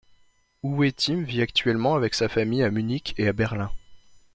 Uwe Timm vit actuellement avec sa famille à Munich et à Berlin.